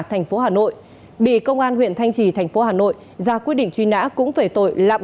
thành phố hà nội bị công an huyện thanh trì thành phố hà nội ra quyết định truy nã cũng về tội lạm